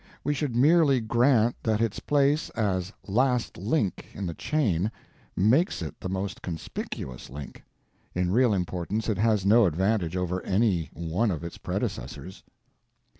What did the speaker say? We should merely grant that its place as LAST link in the chain makes it the most _conspicuous _link; in real importance it has no advantage over any one of its predecessors.